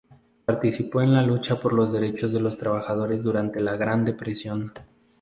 Participó en la lucha por los derechos de los trabajadores durante la Gran Depresión.